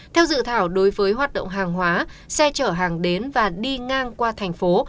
theo dự thảo đối với hoạt động hàng hóa xe chở hàng đến và đi ngang qua thành phố